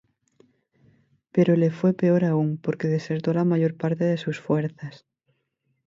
Pero le fue peor aún, porque desertó la mayor parte de sus fuerzas.